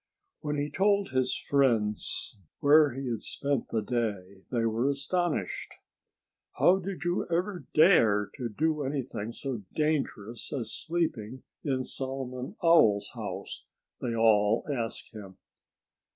When he told his friends where he had spent the day they were astonished. "How did you ever dare do anything so dangerous as sleeping in Solomon Owl's house?" they all asked him.